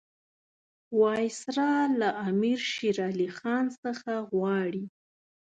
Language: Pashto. وایسرا له امیر شېر علي خان څخه غواړي.